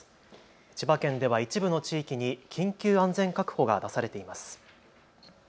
千葉県では一部の地域に緊急安全確保が出されています。